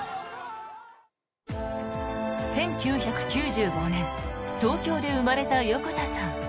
１９９５年東京で生まれた横田さん。